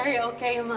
terima kasih mas